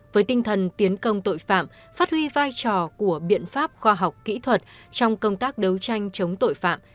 với tinh thần tiến công tội phạm phát huy vai trò của biện pháp khoa học kỹ thuật trong công tác đấu tranh chống tội phạm